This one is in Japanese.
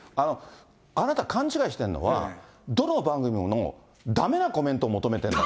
あなた、勘違いしてんのは、どの番組もだめなコメントを求めてるの。